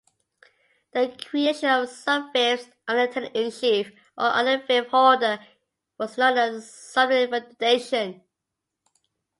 The creation of subfiefs under a tenant-in-chief or other fief-holder was known as subinfeudation.